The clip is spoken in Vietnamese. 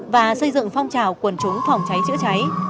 và xây dựng phong trào quần chúng phòng cháy chữa cháy